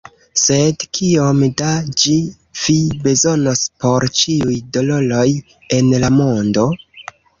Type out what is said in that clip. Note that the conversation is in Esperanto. Sed kiom da ĝi Vi bezonos por ĉiuj doloroj en la mondo?